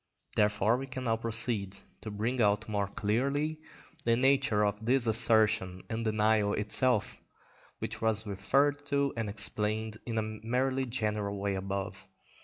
Therefore we can now proceed to bring out more clearly the nature of this assertion and denial itself, which was referred to and explained in a merely general way above.